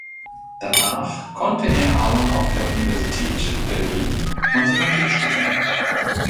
Danach konnte er aber auf der Universität Berlin Mathematik studieren.